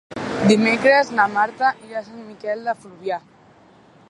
Dimecres na Marta irà a Sant Miquel de Fluvià.